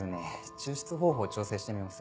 抽出方法を調整してみます。